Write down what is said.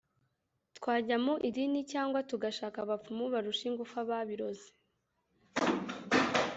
twajya mu idini cyangwa tugashaka abapfumu barusha ingufu ababiroze